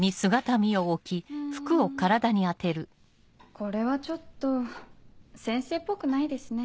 これはちょっと先生っぽくないですね。